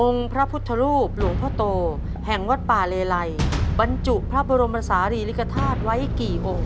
พระพุทธรูปหลวงพ่อโตแห่งวัดป่าเลไลบรรจุพระบรมศาลีริกฐาตุไว้กี่องค์